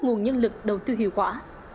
nguồn nhân lực đầu tư hiệu quả